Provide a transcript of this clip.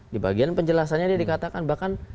di bagian penjelasannya dia dikatakan bahkan